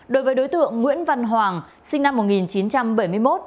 đối với đối tượng nguyễn văn hoàng sinh năm một nghìn chín trăm bảy mươi một